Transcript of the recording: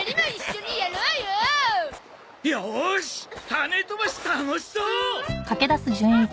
種飛ばし楽しそう！